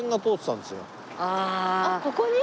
あっここに？